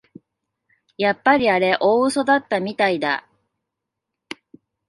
やっぱりあれ大うそだったみたいだ